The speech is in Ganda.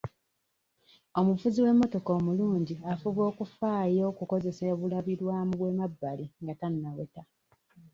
Omuvuzi w'emmotoka omulungi afuba okufaayo okukozesa obulabirwamu bw'emabbali nga tannaweta.